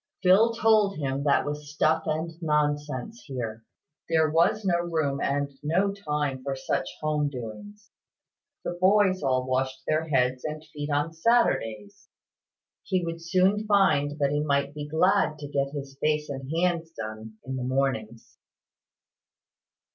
Phil told him that was stuff and nonsense here. There was no room and no time for such home doings. The boys all washed their heads and feet on Saturdays. He would soon find that he might be glad to get his face and hands done in the mornings.